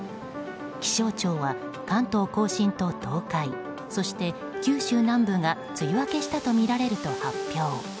気象庁は、関東・甲信と東海そして九州南部が梅雨明けしたとみられると発表。